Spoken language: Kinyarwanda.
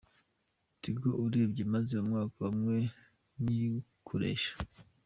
Tigo urebye maze umwaka umwe nyikoresha.